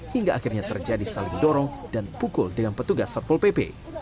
hingga akhirnya terjadi saling dorong dan pukul dengan petugas satpol pp